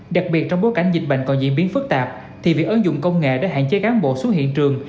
đặc biệt trong bối cảnh dịch bệnh còn diễn biến phức tạp thì việc ứng dụng công nghệ đã hạn chế cán bộ xuống hiện trường